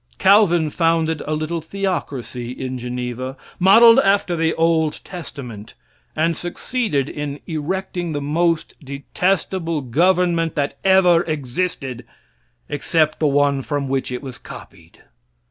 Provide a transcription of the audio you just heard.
Calvin founded a little theocracy in Geneva, modeled after the old testament, and succeeded in erecting the most detestable government that ever existed, except the one from which it was copied.